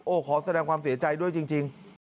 ขอแสดงความเสียใจด้วยจริง